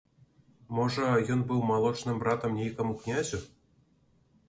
Можа, ён быў малочным братам нейкаму князю?